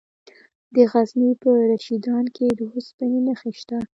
د غزني په رشیدان کې د اوسپنې نښې شته.